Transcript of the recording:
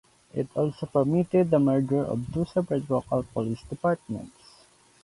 It also permitted the merger of two separate local police departments.